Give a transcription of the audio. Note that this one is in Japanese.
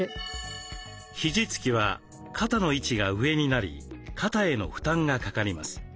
肘つきは肩の位置が上になり肩への負担がかかります。